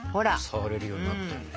触れるようになったよね。